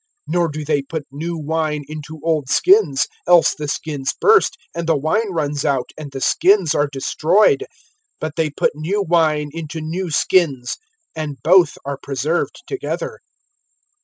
(17)Nor do they put new wine into old skins; else the skins burst, and the wine runs out, and the skins are destroyed. But they put new wine into new skins, and both are preserved together.